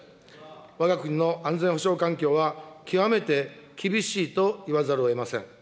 わが国の安全保障環境は極めて厳しいと言わざるをえません。